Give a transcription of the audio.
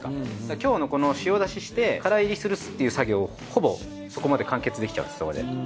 今日のこの塩出しして乾煎りするっていう作業ほぼそこまで完結できちゃうそこで。